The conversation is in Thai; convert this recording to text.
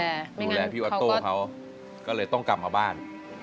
ดูแลพี่ออโต้เขาก็เลยต้องกลับมาบ้าน